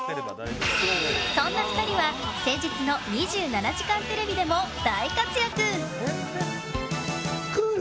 そんな２人は先日の「２７時間テレビ」でも大活躍。